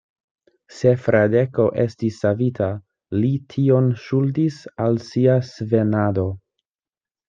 Se Fradeko estis savita, li tion ŝuldis al sia svenado.